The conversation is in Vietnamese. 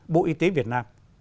bộ y tế việt nam